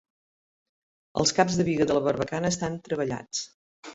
Els caps de biga de la barbacana estan treballats.